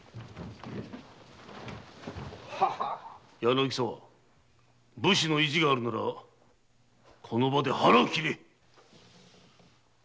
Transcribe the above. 柳沢武士の意地があるならこの場で腹を切れ！